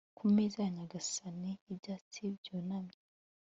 ku meza ya nyagasani y'ibyatsi byunamye